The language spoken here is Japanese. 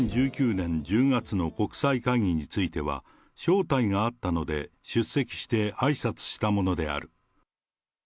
２０１９年１０月の国際会議については、招待があったので、出席してあいさつしたものである。